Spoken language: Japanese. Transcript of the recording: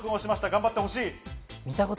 頑張って欲しい。